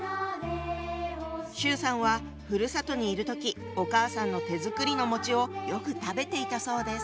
周さんはふるさとにいる時お母さんの手作りのをよく食べていたそうです。